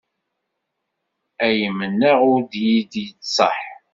Ay mennaɣ ur d iyi-d-yettṣaḥ.